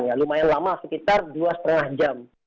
ya lumayan lama sekitar dua lima jam